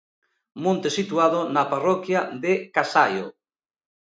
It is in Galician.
Monte situado na parroquia de Casaio.